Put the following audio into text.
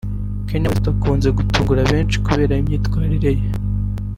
Kanye West ukunze gutungura benshi kubera imyitwarire ye